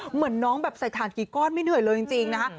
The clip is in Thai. เหมือนน้องแบบใส่ถ่านกี่ก้อนไม่เหนื่อยเลยจริงนะคะ